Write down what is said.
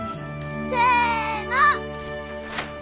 せの。